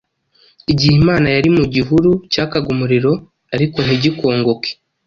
Igihe Imana yari mu gihuru cyakaga umuriro ariko ntigikongoke,